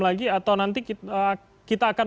lagi atau nanti kita akan